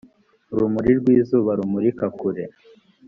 urumuri rwizuba rumurika kure.